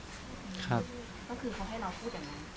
ก็คือเขาให้เราพูดอย่างนั้น